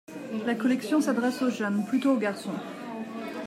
La collection s'adresse aux jeunes, plutôt aux garçons.